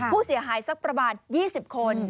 ผู้เสียหายสักประมาณ๒๐คน